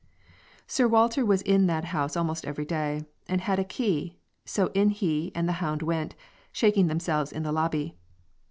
Sir Walter was in that house almost every day, and had a key, so in he and the hound went, shaking themselves in the lobby.